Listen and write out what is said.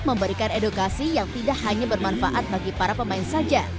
memberikan edukasi yang tidak hanya bermanfaat bagi para pemain saja